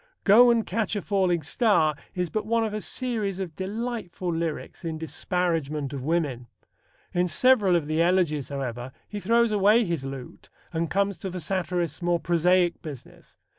Go and Catch a Falling Star is but one of a series of delightful lyrics in disparagement of women. In several of the Elegies, however, he throws away his lute and comes to the satirist's more prosaic business.